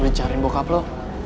boleh cariin bokap lo